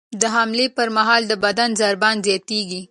د حملې پر مهال د بدن ضربان زیاتېږي.